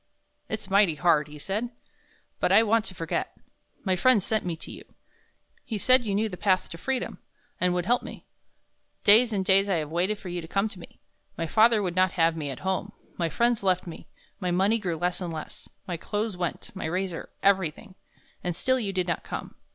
"It's mighty hard," he said, "but I want to forget. My friend sent me to you. He said you knew the path to freedom, and would help me. Days and days I have waited for you to come to me. My father would not have me at home, my friends left me, my money grew less and less my clothes went, my razor everything. And still you did not come.